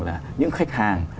là những khách hàng